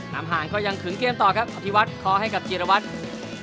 น้ำห่างก็ยังขึ้นเกมต่อครับอบทิวัฒน์คอให้กับจีรวัฒน์